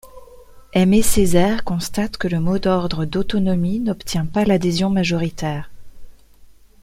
Aimé Césaire constate que le mot d'ordre d'autonomie n'obtient pas l'adhésion majoritaire.